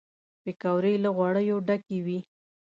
پکورې له غوړیو ډکې وي